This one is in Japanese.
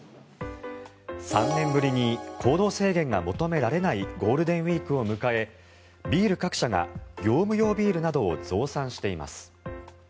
３年ぶりに行動制限が求められないゴールデンウィークを迎えビール各社が業務用ビールなどを増産しています。